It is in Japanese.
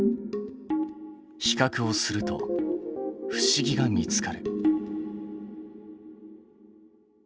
比較をすると不思議が見つかる。